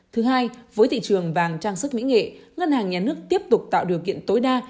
thứ hai với thị trường vàng trang sức mỹ nghệ ngân hàng nhà nước tiếp tục tạo điều kiện tối đa